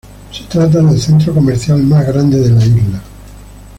Se trata del centro comercial más grande de la isla.